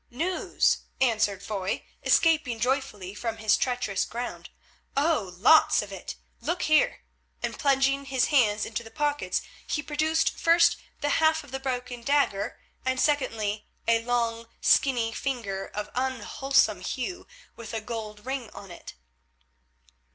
"News!" answered Foy, escaping joyfully from this treacherous ground. "Oh! lots of it. Look here," and plunging his hands into his pockets he produced first the half of the broken dagger and secondly a long skinny finger of unwholesome hue with a gold ring on it.